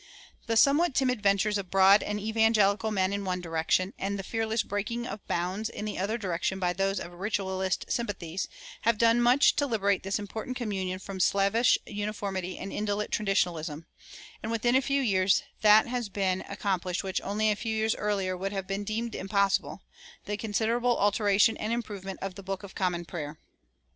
The somewhat timid ventures of "Broad" and "Evangelical" men in one direction, and the fearless breaking of bounds in the other direction by those of "Ritualist" sympathies, have done much to liberate this important communion from slavish uniformity and indolent traditionalism; and within a few years that has been accomplished which only a few years earlier would have been deemed impossible the considerable alteration and improvement of the Book of Common Prayer.